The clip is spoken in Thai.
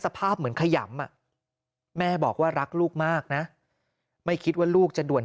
สภาพเหมือนขยำแม่บอกว่ารักลูกมากนะไม่คิดว่าลูกจะด่วน